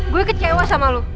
gue kecewa sama lo